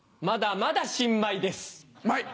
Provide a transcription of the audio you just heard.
まだまだ新米です。